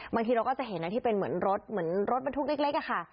บางทีเราก็จะเห็นที่เป็นเหมือนรถรถมันทุกเล็กค่ะ